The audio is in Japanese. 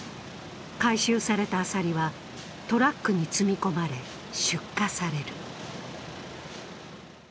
回収されたアサリはトラックに積み込まれ、出荷される。